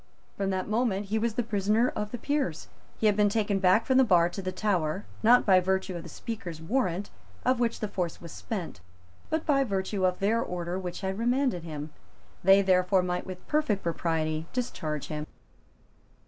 From that moment he was the prisoner of the Peers. He had been taken back from the bar to the Tower, not by virtue of the Speaker's warrant, of which the force was spent, but by virtue of their order which had remanded him. They, therefore, might with perfect propriety discharge him.